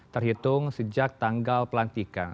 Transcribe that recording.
terhitung sejak tanggal pelantikan